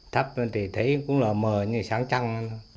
thấp thì thấy cũng là mờ như sáng trăng